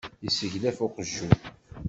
Yesseglef uqjun.